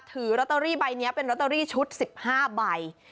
ถือลอตเตอรี่ใบนี้เป็นลอตเตอรี่ชุด๑๕ใบ